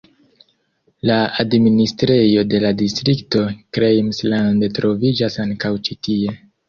La administrejo de la distrikto Krems-Land troviĝas ankaŭ ĉi tie.